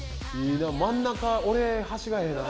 真ん中俺端がええな。